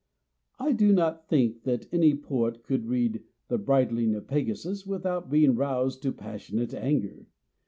I do not think that any poet could read " The Brid ling of Pegasus " without being roused to passionate anger.